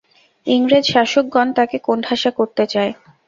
ইংরেজ শাসকগণ তাঁকে কোণঠাসা করতে চায়।